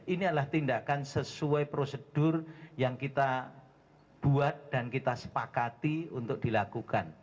ini adalah tindakan sesuai prosedur yang kita buat dan kita sepakati untuk dilakukan